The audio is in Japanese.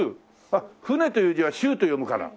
あっ舟という字は「しゅう」と読むから。